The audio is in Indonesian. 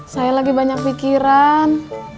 saya lagi banyak pikiran